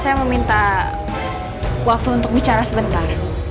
saya meminta waktu untuk bicara sebentar